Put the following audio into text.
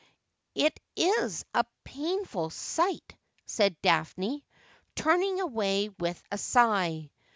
' It is a painful sight,' said Daphne, turning away with a sigh.